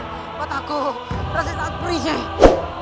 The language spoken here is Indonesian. patahku berhasil saat berisik